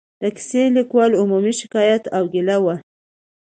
د کیسه لیکوالو عمومي شکایت او ګیله وه.